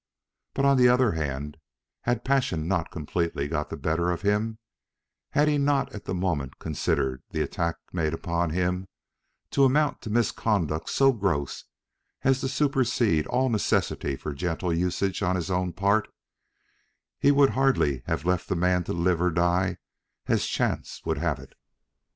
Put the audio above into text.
But, on the other hand, had passion not completely got the better of him, had he not at the moment considered the attack made upon him to amount to misconduct so gross as to supersede all necessity for gentle usage on his own part, he would hardly have left the man to live or die as chance would have it.